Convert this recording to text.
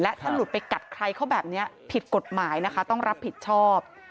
ถ้าหลุดไปกัดใครเขาแบบนี้ผิดกฎหมายนะคะต้องรับผิดชอบ